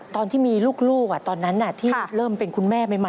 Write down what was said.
ตอนที่มีลูกตอนนั้นที่เริ่มเป็นคุณแม่ใหม่